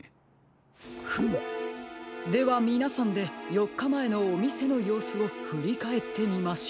フムではみなさんでよっかまえのおみせのようすをふりかえってみましょう。